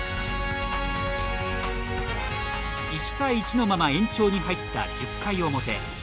１対１のまま延長に入った１０回表。